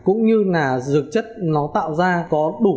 cũng như là dược chất nó tạo ra có đủ